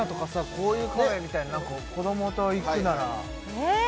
こういうカフェみたいな何か子供と行くならえっ